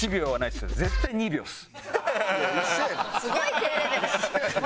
すごい低レベル。